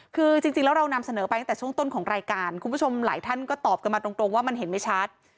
คือจริงแล้วเรานำเสนอไปตั้งแต่ช่วงต้นของรายการคุณผู้ชมหลายท่านก็ตอบกันมาตรงว่ามันเห็นไม่ชัด